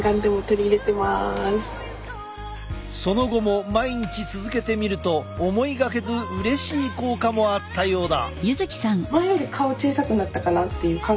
その後も毎日続けてみると思いがけずうれしい効果もあったようだ。